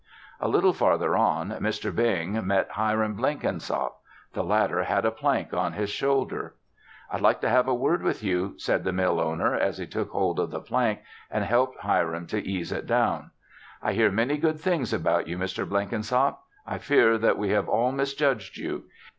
A little farther on Mr. Bing met Hiram Blenkinsop. The latter had a plank on his shoulder. "I'd like to have a word with you," said the mill owner as he took hold of the plank and helped Hiram to ease it down. "I hear many good things about you, Mr. Blenkinsop. I fear that we have all misjudged you.